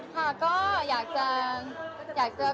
ฝากขอกำลังใจทุกแฟนเก่าเชียร์